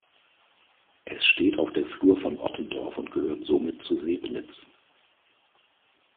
Es steht auf der Flur von Ottendorf und gehört somit zu Sebnitz.